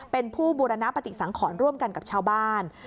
เป็นผู้บูรณปฏิสังขรร่วมกันกับชาวบ้าน